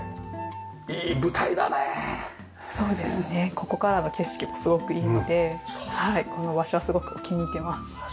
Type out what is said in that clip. ここからの景色もすごくいいのでこの場所はすごく気に入っています。